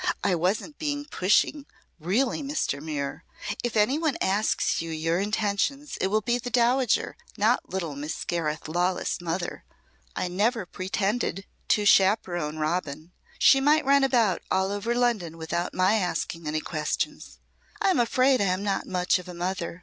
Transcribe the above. "I wasn't being pushing, really, Mr. Muir. If any one asks you your intentions it will be the Dowager not little Miss Gareth Lawless' mother. I never pretended to chaperon Robin. She might run about all over London without my asking any questions. I am afraid I am not much of a mother.